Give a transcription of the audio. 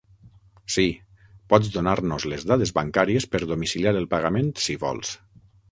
Sí, pots donar-nos les dades bancàries per domiciliar el pagament si vols.